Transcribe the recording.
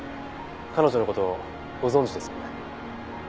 彼女の事ご存じですよね？